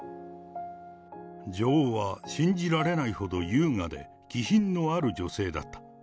女王は信じられないほど優雅で気品のある女性だった。